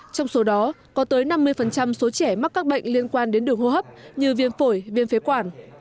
trong số đó có tới năm mươi số trẻ mắc các bệnh liên quan đến đường hô hấp như viêm phổi viêm phế quản